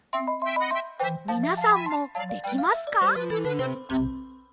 みなさんもできますか？